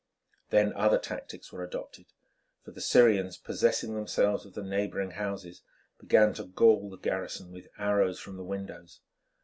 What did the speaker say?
Then other tactics were adopted, for the Syrians, possessing themselves of the neighbouring houses, began to gall the garrison with arrows from the windows.